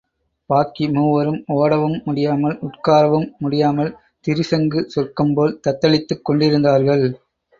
பாக்கி மூவரும் ஓடவும் முடியாமல் உட்காரவும் முடியாமல் திரிசங்கு சொர்க்கம்போல் தத்தளித்துக் கொண்டிருந்தார்கள்.